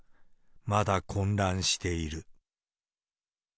まだ混乱している。